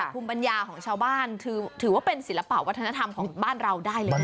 ภูมิปัญญาของชาวบ้านถือว่าเป็นศิลปะวัฒนธรรมของบ้านเราได้เลยนะ